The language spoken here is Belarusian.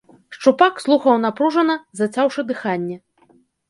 Шчупак слухаў напружана, зацяўшы дыханне.